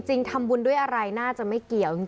จริงทำบุญด้วยอะไรน่าจะไม่เกี่ยวจริง